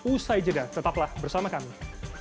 usai jeda tetaplah bersama kami